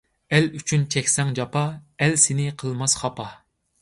ئەل ئۈچۈن چەكسەڭ جاپا، ئەل سېنى قىلماس خاپا.